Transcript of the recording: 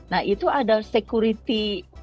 nah itu ada security